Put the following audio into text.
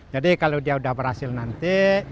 jadi kalau dia sudah berhasil nanti